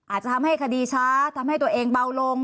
อาจจะทำให้คดีช้าทำให้ตัวเองเบาลง